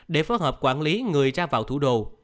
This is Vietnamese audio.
để phối hợp quản lý người ra vào thủ đô